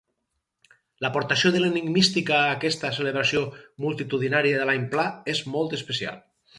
L'aportació de l'enigmística a aquesta celebració multitudinària de l'any Pla és molt especial.